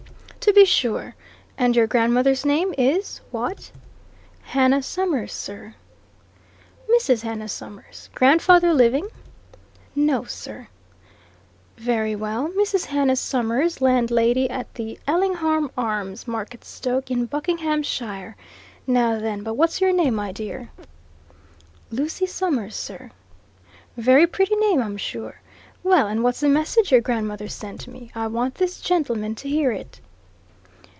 "To be sure. And your grandmother's name is what?" "Hannah Summers, sir." "Mrs. Hannah Summers. Grandfather living?" "No, sir." "Very well Mrs. Hannah Summers, landlady at the Ellingham Arms, Marketstoke, in Buckinghamshire. Now then but what's your name, my dear?" "Lucy Summers, sir." "Very pretty name, I'm sure! Well, and what's the message your grandmother sent me? I want this gentleman to hear it."